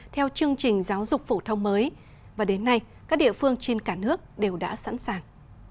theo chương trình giáo dục phổ thông mới và đến nay các địa phương trên cả nước đều đã sẵn sàng